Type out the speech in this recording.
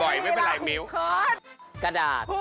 ปือรีลำคอนกระดาษ